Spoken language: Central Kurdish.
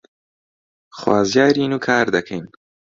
خوازیارین و کار دەکەین